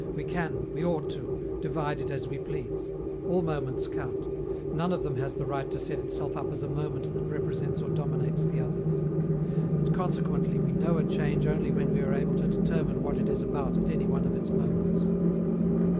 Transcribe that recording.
We can, we ought to, divide it as we please. All moments count. None of them has the right to set itself up as a moment that represents or dominates the others. And, consequently, we know a change only when we are able to determine what it is about at any one of its moments.